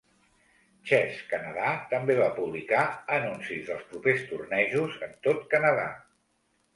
"Chess Canada" també va publicar anuncis dels propers tornejos en tot Canadà.